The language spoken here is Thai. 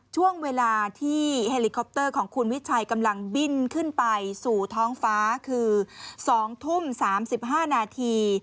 ช่วงเวลาที่เฮลิคอปเตอร์ของคุณวิชัยกำลังบิ้นขึ้นไปสู่ท้องฟ้าคือ๒ทุ่ม๓๕นาที